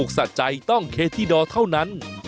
ไปค่ะ